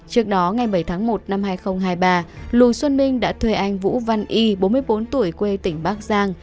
trước đó ngày bảy tháng một năm hai nghìn hai mươi ba lù xuân minh đã thuê anh vũ văn y bốn mươi bốn tuổi quê tỉnh bắc giang